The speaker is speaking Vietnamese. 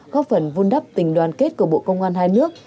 góp phần vun đắp tình đoàn kết của bộ công an hai nước